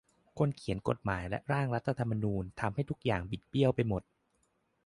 คนเขียนกฎหมายและร่างรัฐธรรมนูญทำให้ทุกอย่างบิดเบี้ยวไปหมด